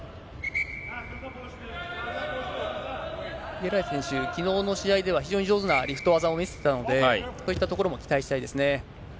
ゲラエイ選手、きのうの試合では、非常に上手なリフト技を見せてたので、そういったところも期待したいですね。